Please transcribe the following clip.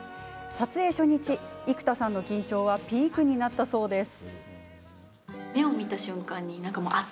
撮影初日、生田さんの緊張はピークになったそうです。